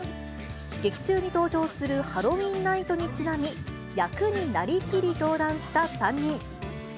劇中に登場するハロウィーンナイトにちなみ、役になり切り登壇した３人。